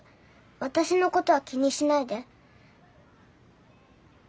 私のことは気にしないで。